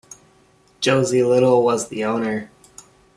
Josey Little was the owner.